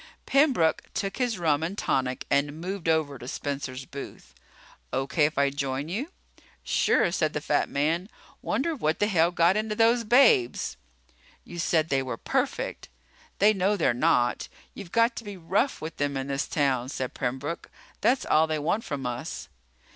Pembroke took his rum and tonic and moved over to Spencer's booth. "Okay if I join you?" "Sure," said the fat man. "Wonder what the hell got into those babes?" "You said they were perfect. They know they're not. You've got to be rough with them in this town," said Pembroke. "That's all they want from us."